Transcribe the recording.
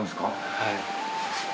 はい。